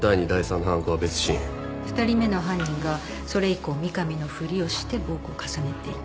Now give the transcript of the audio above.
２人目の犯人がそれ以降三上のふりをして暴行を重ねていた。